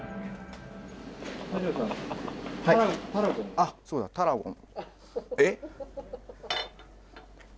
あそうだタラゴン。え？